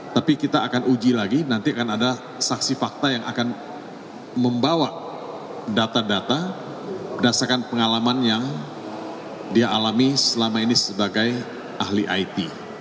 tapi kita akan uji lagi nanti akan ada saksi fakta yang akan membawa data data berdasarkan pengalaman yang dia alami selama ini sebagai ahli it